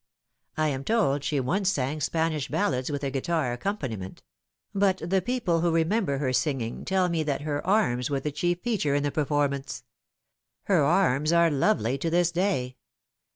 I am told she once sang Spanish ballads with a guitar accompaniment ; but the people who remember her singing tell me that her arms were the chief feature in the performance. Her arms are lovely to this day.